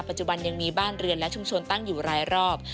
ปัจจุบันยังมีบ้านเรือนและชุมชนตั้งอยู่รายรอบ